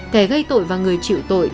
kẻ gây tội và người chịu tội